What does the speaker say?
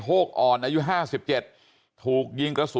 บอกแล้วบอกแล้วบอกแล้ว